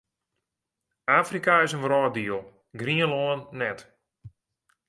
Afrika is in wrâlddiel, Grienlân net.